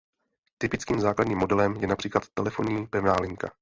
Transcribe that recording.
Typickým základním modelem je například telefonní pevná linka.